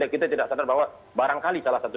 kita tidak sadar bahwa barangkali salah satu